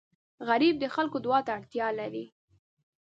غریب د خلکو دعا ته اړتیا لري